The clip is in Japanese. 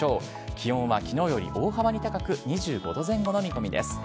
気温は、きのうより大幅に高く２５度前後の見込みです。